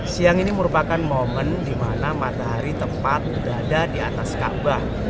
siang ini merupakan momen dimana matahari tempat berada di atas kaabah